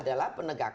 dari bapak bapak